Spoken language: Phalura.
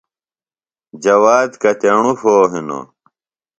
جواد کتیݨو پھو ہِنوۡ ؟